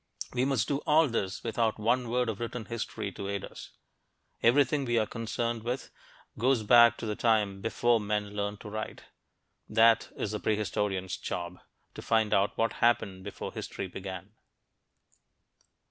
We must do all this without one word of written history to aid us. Everything we are concerned with goes back to the time before men learned to write. That is the prehistorian's job to find out what happened before history began.